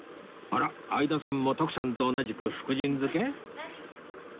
あら相田さんも徳さんと同じく福神漬け？